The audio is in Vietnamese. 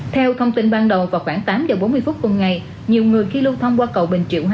theo thông tin ban đầu vào khoảng tám giờ bốn mươi phút cùng ngày nhiều người khi lưu thông qua cầu bình triệu hai